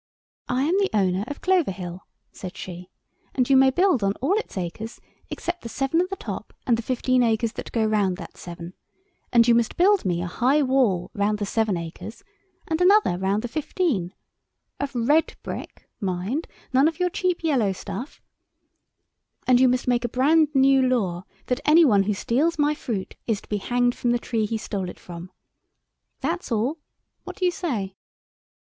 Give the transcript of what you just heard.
"I am the owner of Clover Hill," said she, "and you may build on all its acres except the seven at the top and the fifteen acres that go round that seven, and you must build me a high wall round the seven acres and another round the fifteen—of red brick, mind; none of your cheap yellow stuff—and you must make a brand new law that any one who steals my fruit is to be hanged from the tree he stole it from. That's all. What do you say?"